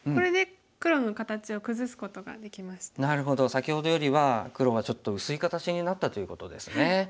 先ほどよりは黒がちょっと薄い形になったということですね。